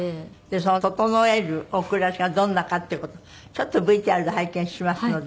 その整えるお暮らしがどんなかっていう事をちょっとＶＴＲで拝見しますので。